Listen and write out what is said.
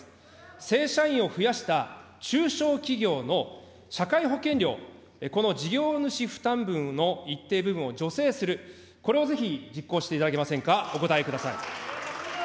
正社員を増やした中小企業の社会保険料、この事業主負担分の一定部分を助成する、これをぜひ実行していただけませんか、お答えください。